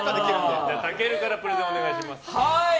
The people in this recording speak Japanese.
じゃあ、たけるからプレゼンお願いします。